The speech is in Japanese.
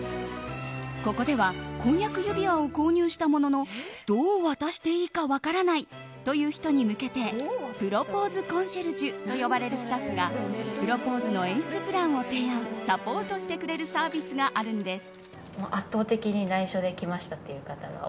ここでは婚約指輪を購入したもののどう渡していいか分からないという人に向けてプロポーズコンシェルジュと呼ばれるスタッフがプロポーズの演出プランを提案サポートしてくれるサービスがあるんです。